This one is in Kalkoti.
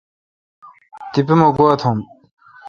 تیپہ مہ گوا توم۔